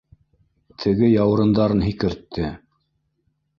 Теге яурындарын һикертте